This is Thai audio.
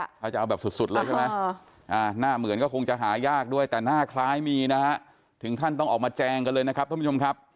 เขาจะเอาแบบสุดเลยใช่ไหมหน้าเหมือนก็คงจะหายากด้วยแต่หน้าคล้ายมีนะฮะถึงขั้นต้องออกมาแจงกันเลยนะครับท่านผู้ชมครับ